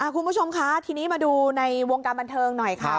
คุณผู้ชมคะทีนี้มาดูในวงการบันเทิงหน่อยค่ะ